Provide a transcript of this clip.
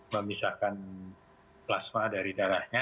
memisahkan plasma dari darahnya